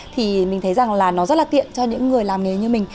thì mình thấy rằng là nó rất là tiện cho những người làm nghề như mình